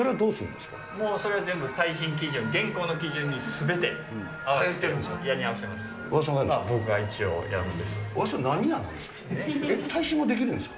もうそれは全部、耐震基準、現行の基準にすべて合わせて、やり直してます。